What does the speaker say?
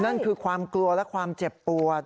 นั่นคือความกลัวและความเจ็บปวด